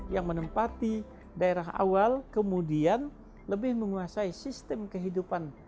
yang menempati daerah awal kemudian lebih menguasai sistem kehidupan